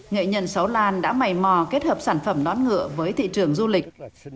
nghệ nhân sáu lan đã mày mò kết hợp sản phẩm nón ngựa với thị trường du lịch